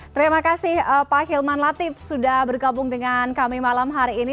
terima kasih pak hilman latif sudah bergabung dengan kami malam hari ini